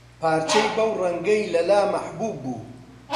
پارچەی بەو ڕەنگەی لەلا مەحبووب بوو